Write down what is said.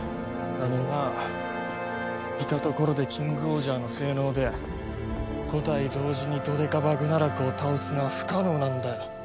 あのないたところでキングオージャーの性能で５体同時にどでかバグナラクを倒すのは不可能なんだよ。